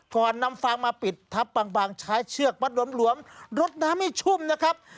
ก่อนนำฟางมาปิดทับบางใช้เชือกมัดหลวมรดน้ำให้ชุ่มนะครับ